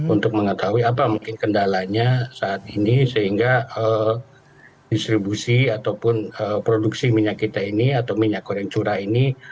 untuk mengetahui apa mungkin kendalanya saat ini sehingga distribusi ataupun produksi minyak kita ini atau minyak goreng curah ini